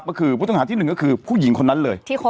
ก็คือผู้ต้องหาที่หนึ่งก็คือผู้หญิงคนนั้นเลย